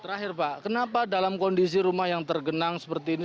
terakhir pak kenapa dalam kondisi rumah yang tergenang seperti ini